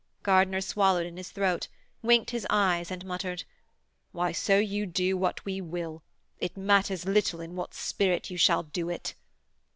Gardiner swallowed in his throat, winked his eyes, and muttered: 'Why, so you do what we will, it matters little in what spirit you shall do it.'